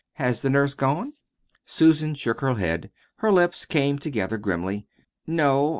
Has the nurse gone?" Susan shook her head. Her lips came together grimly. "No.